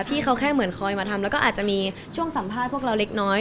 พี่เขาแค่เหมือนคอยมาทำแล้วก็อาจจะมีช่วงสัมภาษณ์พวกเราเล็กน้อย